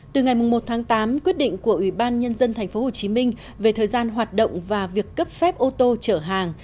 từ ngày một tháng tám quyết định của ủy ban nhân dân tp hcm về thời gian hoạt động và việc cấp phép ô tô chở hàng